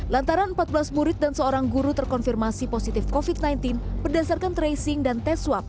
lantaran empat belas murid dan seorang guru terkonfirmasi positif covid sembilan belas berdasarkan tracing dan tes swab